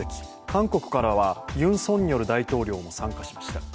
韓国からはユン・ソンニョル大統領も参加しました。